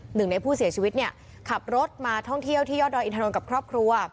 หนึ่งในผู้เสียชีวิตเนี่ยขับรถมาท่องเที่ยวที่ยอดดอยอินทนนท์กับครอบครัว